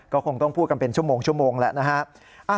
ก็คงต้องพูดกันเป็นชั่วโมงแล้วนะฮะ